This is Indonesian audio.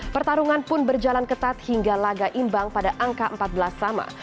pertarungan pun berjalan ketat hingga laga imbang pada angka empat belas sama